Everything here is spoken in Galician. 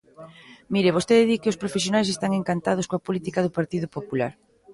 Mire, vostede di que os profesionais están encantados coa política do Partido Popular.